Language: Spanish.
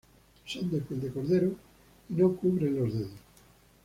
Son de piel de cordero y no cubren los dedos.